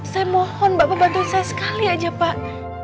saya mohon bapak bantuin saya sekali aja pak